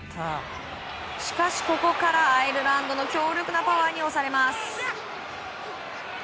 しかし、ここからアイルランドの強力なパワーに押されます。